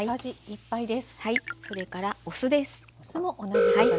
それからお酢です。